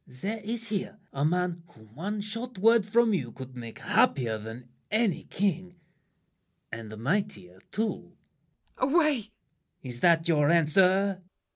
There is here A man whom one short word from you could make Happier than any king, and mightier too! MARION. Away! LAFFEMAS. Is that your answer?